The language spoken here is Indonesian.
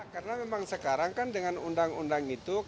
karena memang sekarang kan dengan undang undangnya